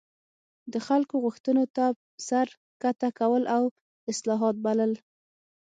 د خلکو غوښتنو ته سر ښکته کول او اصلاحات بلل.